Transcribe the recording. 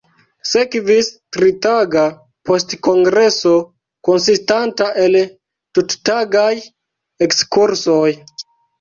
Sekvis tritaga postkongreso konsistanta el tuttagaj ekskursoj.